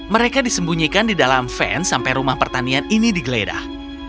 mereka disembunyikan di dalam fan sampai rumah pertanian ini digeledah